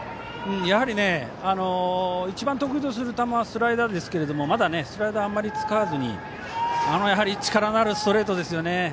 やはり、一番得意とする球スライダーですがまだスライダーをあまり使わず力のあるストレートですね。